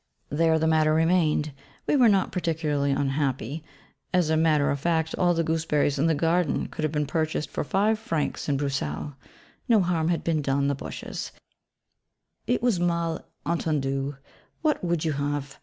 There the matter remained. We were not particularly unhappy: as a matter of fact all the gooseberries in the garden could have been purchased for five francs in Bruxelles. No harm had been done the bushes: it was a mal entendu what would you have?